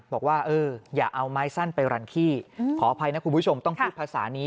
บอกว่าเอออย่าเอาไม้สั้นไปรันขี้ขออภัยนะคุณผู้ชมต้องพูดภาษานี้